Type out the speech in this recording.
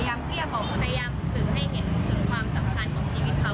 พยายามเรียกเขาพยายามคือให้เห็นคือความสำคัญของชีวิตเขา